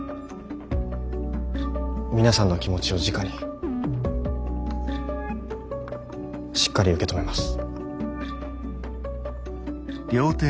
皆さんの気持ちをじかにしっかり受け止めます。